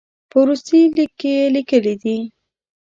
په وروستي لیک کې یې لیکلي دي.